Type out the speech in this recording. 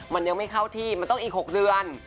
มันยังไม่เข้าที่มันต้องอีก๖เดือน